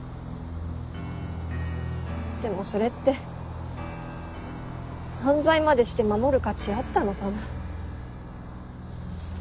でもそれって犯罪までして守る価値あったのかな。